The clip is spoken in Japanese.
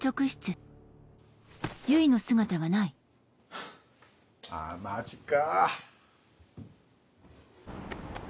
ハァあマジか。